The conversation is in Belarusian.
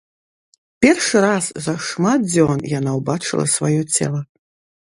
Першы раз за шмат дзён яна ўбачыла сваё цела.